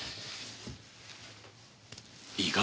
いいか？